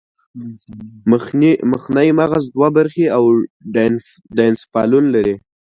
مخنی مغزه دوه برخې او ډاینسفالون لري